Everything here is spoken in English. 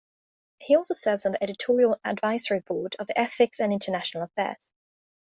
He also serves on the editorial advisory board of the "Ethics and International Affairs".